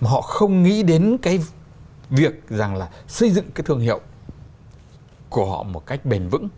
mà họ không nghĩ đến cái việc rằng là xây dựng cái thương hiệu của họ một cách bền vững